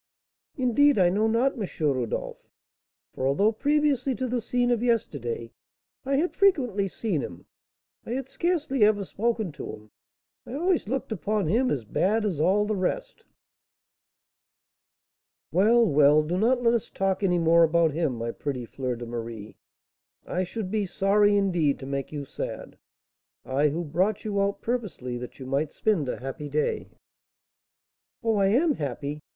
"Indeed, I know not, M. Rodolph; for although, previously to the scene of yesterday, I had frequently seen him, I had scarcely ever spoken to him. I always looked upon him as bad as all the rest." "Well, well, do not let us talk any more about him, my pretty Fleur de Marie. I should be sorry, indeed, to make you sad, I, who brought you out purposely that you might spend a happy day." "Oh, I am happy.